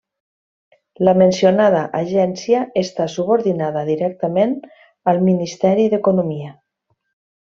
La mencionada agència està subordinada directament al Ministeri d'Economia.